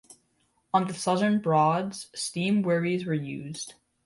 On the southern Broads, steam wherries were used.